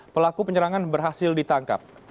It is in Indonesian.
pelaku penyerangan berhasil ditangkap